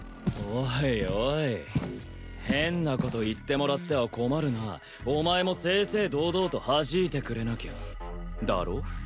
おいおい変なこと言ってもらっては困るなお前も正々堂々とはじいてくれなきゃだろ？